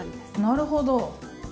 なるほど。